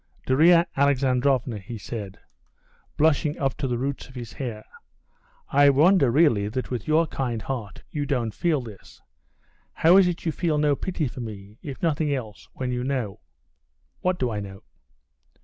"Darya Alexandrovna," he said, blushing up to the roots of his hair, "I wonder really that with your kind heart you don't feel this. How it is you feel no pity for me, if nothing else, when you know...." "What do I know?"